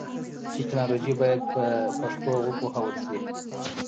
ټکنالوژي باید په پښتو وپوهول شي.